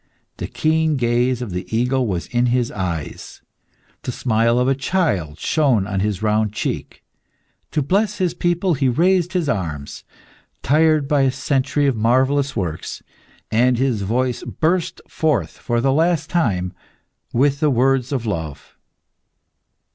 The keen gaze of the eagle was in his eyes; the smile of a child shone on his round cheek. To bless his people, he raised his arms, tired by a century of marvellous works, and his voice burst forth for the last time, with the words of love.